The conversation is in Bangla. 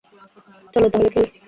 চলো তাহলে খেলি।